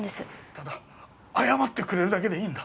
ただ謝ってくれるだけでいいんだ。